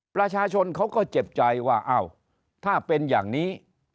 ประชาชนเขาก็เจ็บใจว่าอ้าวถ้าเป็นอย่างนี้